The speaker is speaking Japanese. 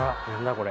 これ。